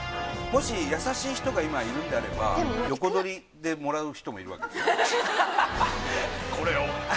もし優しい人が今いるんであれば横取りでもらう人もいるわけですよねこれを？